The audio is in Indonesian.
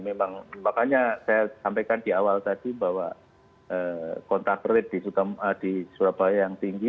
memang makanya saya sampaikan di awal tadi bahwa kontak rate di surabaya yang tinggi